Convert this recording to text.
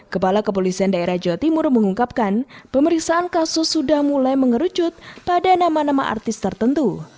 kepala kepolisian daerah jawa timur mengungkapkan pemeriksaan kasus sudah mulai mengerucut pada nama nama artis tertentu